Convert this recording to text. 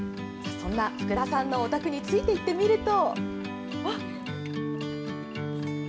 そんな福田さんのお宅についていってみると。